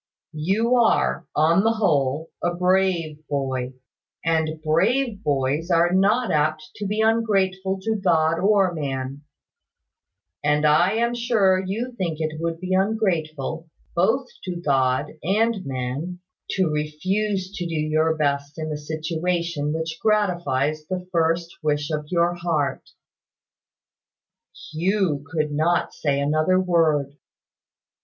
You are, on the whole, a brave boy; and brave boys are not apt to be ungrateful to God or man; and I am sure you think it would be ungrateful, both to God and man, to refuse to do your best in the situation which gratifies the first wish of your heart." Hugh could not say another word.